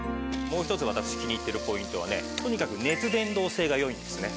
もう一つ私気に入ってるポイントはねとにかく熱伝導性がよいんですね。